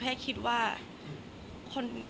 แต่ขวัญไม่สามารถสวมเขาให้แม่ขวัญได้